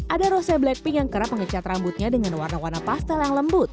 ada rose blackpink yang kerap mengecat rambutnya dengan warna warna pastel yang lembut